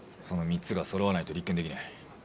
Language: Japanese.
その３つがそろわないと立件できない。